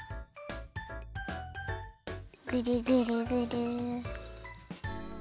ぐるぐるぐる。